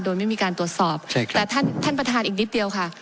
โดยไม่มีการตรวจสอบแต่ท่านประธานอีกนิดเดียวค่ะ